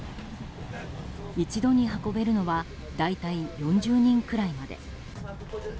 １度に運べるのは大体４０人くらいまで。